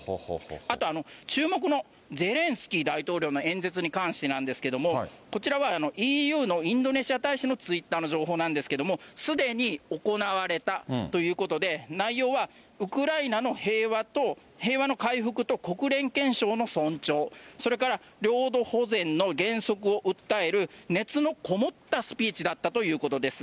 あと注目のゼレンスキー大統領の演説に関してなんですけれども、こちらはＥＵのインドネシア大使のツイッターの情報なんですけども、すでに行われたということで、内容はウクライナの平和の回復と国連憲章の尊重、それから領土保全の原則を訴える熱のこもったスピーチだったということです。